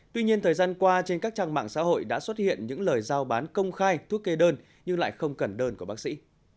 tuy nhiên thời gian qua trên các trang mạng xã hội đã xuất hiện những lời giao bán công khai thuốc kê đơn nhưng lại không cần đơn của bác sĩ